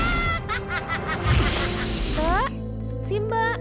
ini aku bawa makanan untuk simba